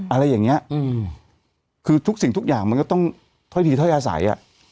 อะไรอย่างนี้คือทุกสิ่งมันก็จะต้อยที่ต้อยอาศัย